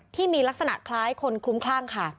ที่มีลักษณะคล้ายคนคลุ้มคลั่งค่ะ